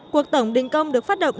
cuộc tổng đình công được phát động